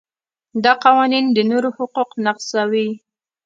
دا قوانین د نورو حقوق نقضوي.